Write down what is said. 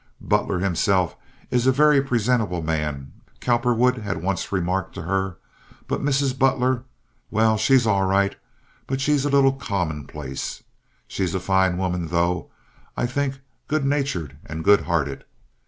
"Butler himself is a very presentable man," Cowperwood had once remarked to her, "but Mrs. Butler—well, she's all right, but she's a little commonplace. She's a fine woman, though, I think, good natured and good hearted."